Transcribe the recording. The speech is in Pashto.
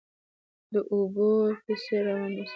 د اوبو په څیر روان اوسئ.